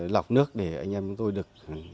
lọc nước để anh em của tôi được